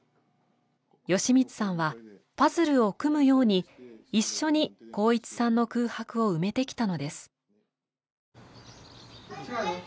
美光さんはパズルを組むように一緒に航一さんの空白を埋めてきたのです。